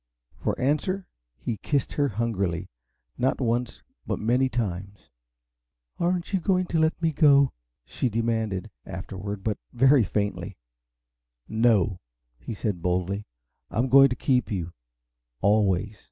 For answer he kissed her hungrily not once, but many times. "Aren't you going to let me go?" she demanded, afterward, but very faintly. "No," said he, boldly. "I'm going to keep you always."